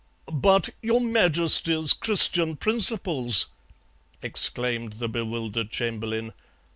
"'But your Majesty's Christian principles?' exclaimed the bewildered Chamberlain.